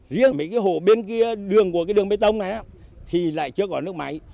riêng mấy cái hồ bên kia đường của cái đường bê tông này thì lại chưa có nước máy